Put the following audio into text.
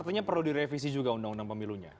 artinya perlu direvisi juga undang undang pemilunya